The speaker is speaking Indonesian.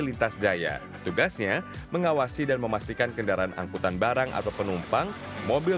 lintas jaya tugasnya mengawasi dan memastikan kendaraan angkutan barang atau penumpang mobil